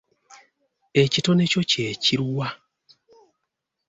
Ekitone kyo kye kiruwa?